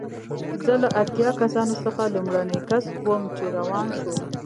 زه له اتیا کسانو څخه لومړنی کس وم چې روان شوم.